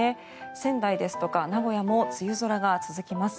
仙台ですとか名古屋も梅雨空が続きます。